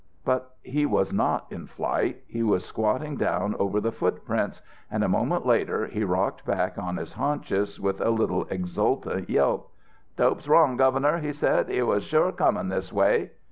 But he was not in flight; he was squatting down over the foot prints. And a moment later he rocked back on his haunches with a little exultant yelp. "'Dope's wrong, Governor,' he said; 'he was sure comin' this way.'